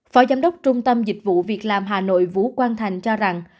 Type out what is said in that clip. phó giám đốc trung tâm dịch vụ việc làm hà nội vũ quang thành cho rằng